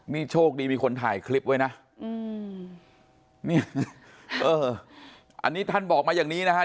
นี่โชคดีมีคนถ่ายคลิปไว้นะอันนี้ท่านบอกมาอย่างนี้นะครับ